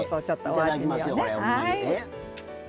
いただきますよ、これ。